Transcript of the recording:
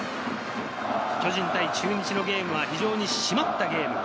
巨人対中日のゲームは非常に締まったゲーム。